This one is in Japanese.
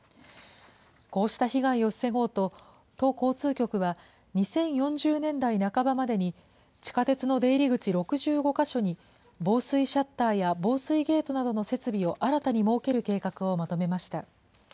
こうした被害を防ごうと、都交通局は、２０４０年代半ばまでに地下鉄の出入り口６５か所に、防水シャッターや防水ゲートなどの設備を新たに設ける計画をまとめました。